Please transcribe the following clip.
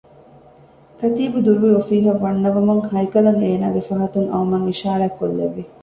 ކަތީބު ދުރުވެ އޮފީހަށް ވަންނަވަމުން ހައިކަލަށް އޭނާގެ ފަހަތުން އައުމަށް އިޝާރާތްކޮށްލެއްވި